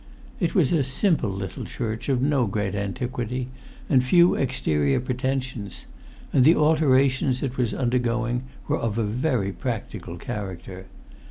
It was a simple little church, of no antiquity and few exterior pretensions, and the alterations it was undergoing were of a very practical character.